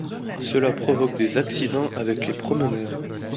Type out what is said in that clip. Cela provoque des accidents avec les promeneurs.